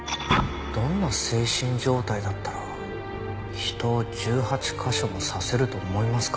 どんな精神状態だったら人を１８カ所も刺せると思いますか？